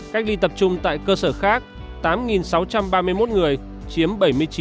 cách ly tập trung tại cơ sở khác tám sáu trăm ba mươi một người chiếm bảy mươi chín